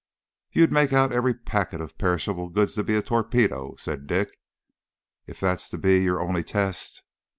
"You'd make out every packet of perishable goods to be a torpedo," said Dick, "if that is to be your only test."